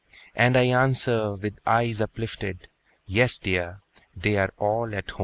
And I answer, with eyes uplifted, "Yes, dear! they are all at home."